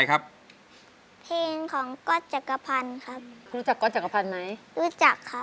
อยากให้พูดหน่าผมได้๔๐๐๐๐บาทครับ